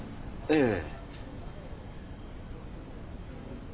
ええ。